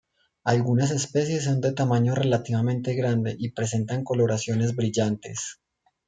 Algunas especie son de tamaño relativamente grande y presentan coloraciones brillantes.